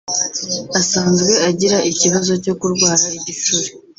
asanzwe agira ikibazo cyo kurwara igicuri